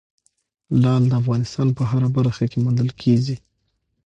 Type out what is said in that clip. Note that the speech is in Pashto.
لعل د افغانستان په هره برخه کې موندل کېږي.